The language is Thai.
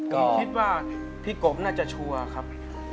ก็คิดว่าพี่กบน่าจะชัวร์ครับ